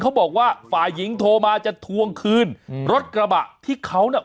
เขาบอกว่าฝ่ายหญิงโทรมาจะทวงคืนอืมรถกระบะที่เขาน่ะ